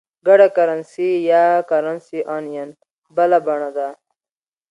ګډه کرنسي یا Currency Union بله بڼه ده.